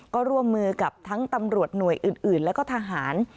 ก็ร่วมมือกับทั้งตำรวจหน่วยอื่นแล้วก็ทหาร